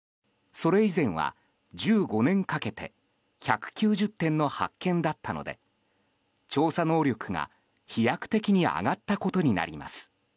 それ以前は１５年かけて１９０点の発見だったので調査能力が飛躍的に上がったことになります。